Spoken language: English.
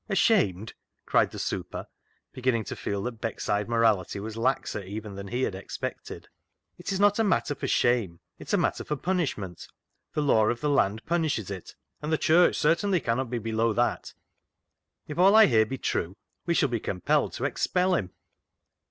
" Ashamed," cried the " super," beginning to feel that Beckside morality was laxer even than he had expected. " It's not a matter for shame, it's a matter for punishment. The law of the land punishes it, and the Church certainly can not be below that. If all I hear be true, we shall be compelled to expel him."